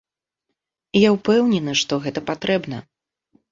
І я ўпэўнены, што гэта патрэбна.